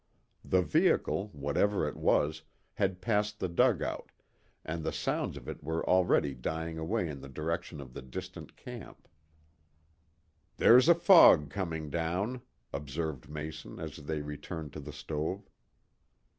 The vehicle, whatever it was, had passed the dugout, and the sounds of it were already dying away in the direction of the distant camp. "There's a fog coming down," observed Mason, as they returned to the stove.